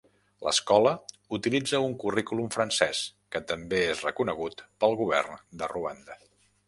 L'escola utilitza un currículum francès, que també és reconegut pel govern de Ruanda.